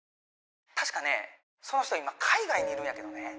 ☎確かねその人今海外にいるんやけどね